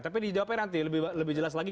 tapi dijawabkan nanti lebih jelas lagi gitu